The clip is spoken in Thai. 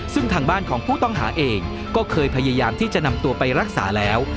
ซึ่งทางบ้านของผู้ต้องหาเองก็เคยพยายามที่จะนำตัวไปรักษาแล้ว